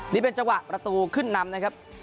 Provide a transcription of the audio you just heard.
นี่เป็นจังหวะประตูขึ้นนำนะครับ